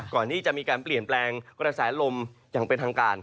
ก่อนที่จะมีการเปลี่ยนแปลงกระแสลมอย่างเป็นทางการ